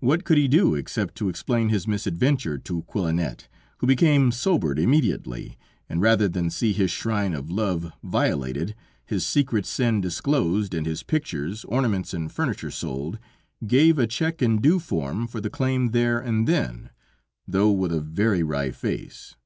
What could he do except to explain his misadventure to Quillanet, who became sobered immediately, and rather than see his shrine of love violated, his secret sin disclosed and his pictures, ornaments and furniture sold, gave a check in due form for the claim there and then, though with a very wry face.